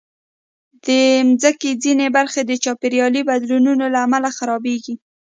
د مځکې ځینې برخې د چاپېریالي بدلونونو له امله خرابېږي.